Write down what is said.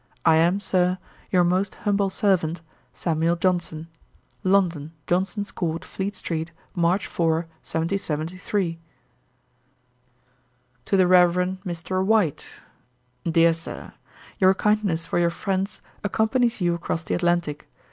I am, Sir, 'Your most humble servant, 'SAM. JOHNSON.' 'London, Johnson's court, Fleet street, March 4, 1773.' 'To THE REVEREND MR. WHITE. 'DEAR SIR, 'Your kindness for your friends accompanies you across the Atlantick.